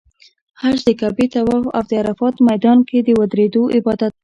حج د کعبې طواف او د عرفات میدان کې د ودریدو عبادت دی.